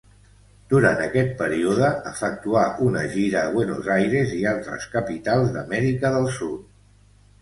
Duran aquest període efectuà una gira a Buenos Aires i altres capitals d'Amèrica del Sud.